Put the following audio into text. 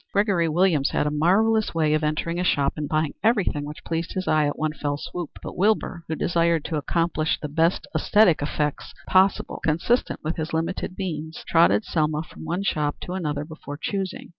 Gregory Williams had a marvellous way of entering a shop and buying everything which pleased his eye at one fell swoop, but Wilbur, who desired to accomplish the best æsthetic effects possible consistent with his limited means, trotted Selma from one shop to another before choosing.